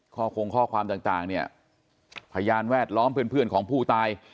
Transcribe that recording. คงข้อความต่างเนี่ยพยานแวดล้อมเพื่อนของผู้ตาย